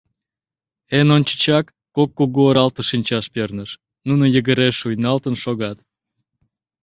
Эн ончычак кок кугу оралте шинчаш перныш: нуно йыгыре шуйналтын шогат.